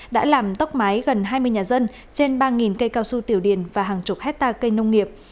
đã làm tốc mái gần hai mươi nhà dân trên ba cây cao su tiểu điền và hàng chục hectare cây nông nghiệp